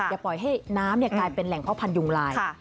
อย่าปล่อยให้น้ำกลายเป็นแหล่งพ่อพันธุงลาย